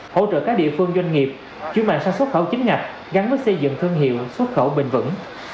hỗ trợ các địa phương doanh nghiệp chuyên mạng sản xuất khẩu chính ngạch gắn với xây dựng thương hiệu xuất khẩu bình vẩn